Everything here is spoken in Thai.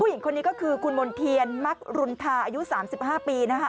หญิงคนนี้ก็คือคุณมณ์เทียนมักรุณทาอายุ๓๕ปีนะคะ